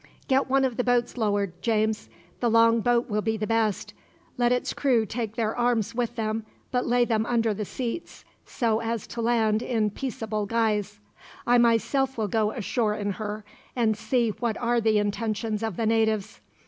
"Get one of the boats lowered, James the long boat will be the best let its crew take their arms with them, but lay them under the seats, so as to land in peaceable guise. I myself will go ashore in her, and see what are the intentions of the natives.